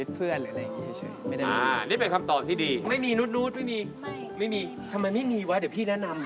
ทำไมไม่มีวะเดี๋ยวพี่แนะนำ